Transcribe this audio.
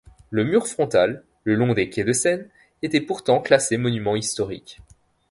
Le mur frontal, le long des quais de Seine, était pourtant classé monument historique.